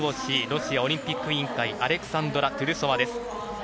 ＲＯＣ・ロシアオリンピック委員会アレクサンドラ・トゥルソワです。